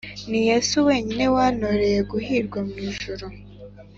Ni yesu wenyine wantoreye guhirwa mu ijuru